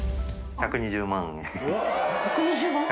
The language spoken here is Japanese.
１２０万円。